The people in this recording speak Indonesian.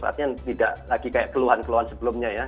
artinya tidak lagi kayak keluhan keluhan sebelumnya ya